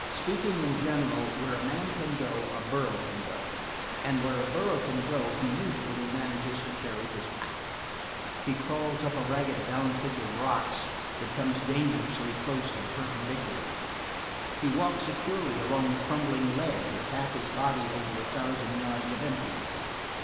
Speaking in general, where a man can go a burro can go, and where a burro can go he usually manages to carry his pack. He crawls up a raged down pitch of rocks that comes dangerously close to the perpendicular; he walks securely along a crumbling ledge with half his body over a thousand yards of emptiness.